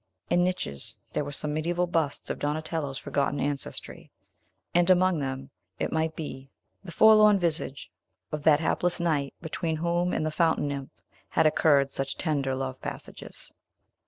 In niches there were some mediaeval busts of Donatello's forgotten ancestry; and among them, it might be, the forlorn visage of that hapless knight between whom and the fountain nymph had occurred such tender love passages.